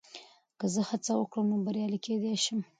که زه هڅه وکړم، نو بریالی کېدای شم.